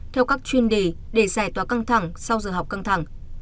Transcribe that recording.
theo các chuyên đề để giải tỏa căng thẳng sau giờ học căng thẳng